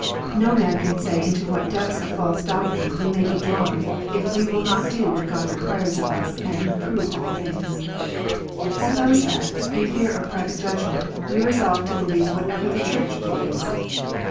No man can say into what depths of false doctrine we may be drawn if we will not do what God requires of us, and " prove all things." Suppose that, in fear of private judgment, we resolve to believe whatever the Church believes.